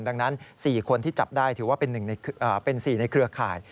ดังนั้น๔คนที่จับได้ถือว่าเป็น๔ในเครือข่าย